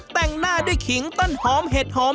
แต่งหน้าด้วยขิงต้นหอมเห็ดหอม